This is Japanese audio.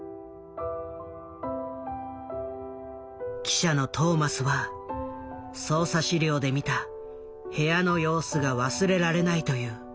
記者のトーマスは捜査資料で見た部屋の様子が忘れられないという。